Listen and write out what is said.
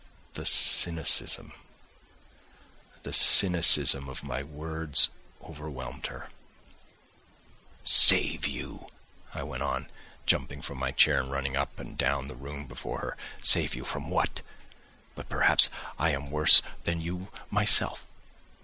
The cynicism, the cynicism of my words overwhelmed her.... "Save you!" I went on, jumping up from my chair and running up and down the room before her. "Save you from what? But perhaps I am worse than you myself.